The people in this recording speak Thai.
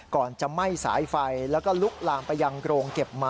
ก่อนจะไหม้สายไฟแล้วก็ลุกลามไปยังโรงเก็บม้า